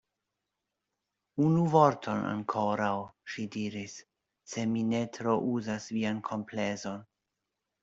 Unu vorton ankoraŭ, ŝi diris, se mi ne trouzas vian komplezon.